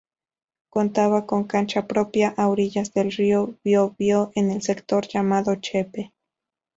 Contaba con cancha propia a orillas del río Biobío en el sector llamado Chepe.